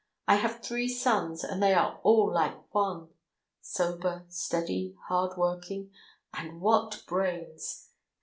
I have three sons, and they are all like one. Sober, steady, hard working, and what brains!